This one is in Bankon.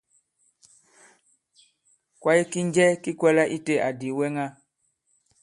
Kwaye ki njɛ ki kwɛ̄lā itē àdì ìwɛŋa?